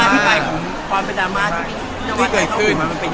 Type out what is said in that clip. ที่เคยขึ้นมันเป็นยังไงครับ